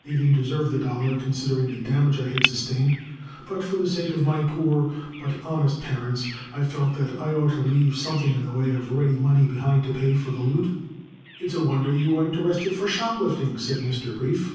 They didn't deserve the dollar, considering the damage I had sustained, but for the sake of my poor but honest parents I felt that I ought to leave something in the way of ready money behind me to pay for the loot." "It's a wonder you weren't arrested for shoplifting," said Mr. Brief.